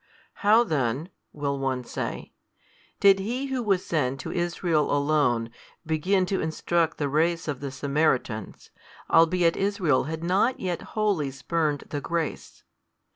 How then (will one say) did He Who was sent to Israel alone begin to instruct the race of the Samaritans, albeit Israel had not yet wholly spurned the grace?